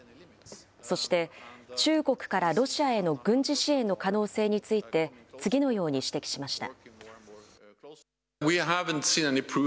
そして、中国からロシアへの軍事支援の可能性について、次のように指摘しました。